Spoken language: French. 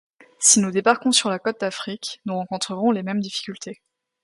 Si nous débarquons sur la côte d’Afrique, nous rencontrerons les mêmes difficultés!